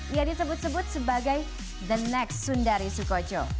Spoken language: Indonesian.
ia disebut sebut sebagai the next sundari sukojo